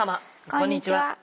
こんにちは。